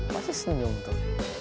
pasti senyum tuh